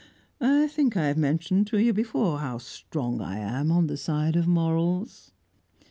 I think I have mentioned to you before how strong I am on the side of morals."